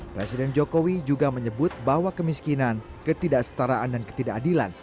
presiden jokowi juga menyebut bahwa kemiskinan ketidaksetaraan dan ketidakadilan